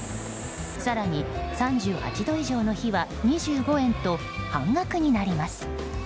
更に３８度以上の日は２５円と半額になります。